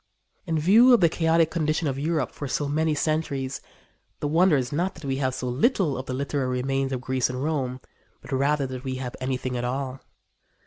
In view of the chaotic condition of Europe for so many centuries, the wonder is not that we have so little of the literary remains of Greece and Rome, but rather that we have anything at all.